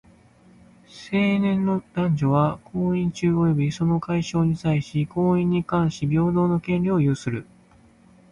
成年の男女は、婚姻中及びその解消に際し、婚姻に関し平等の権利を有する。